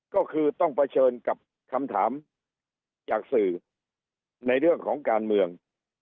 ก็คือต้องเผชิญกับคำถามจากสื่อในเรื่องของการเมือง